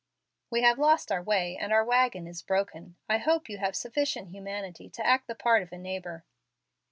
"We have lost our way, and our wagon is broken. I hope you have sufficient humanity to act the part of a neighbor."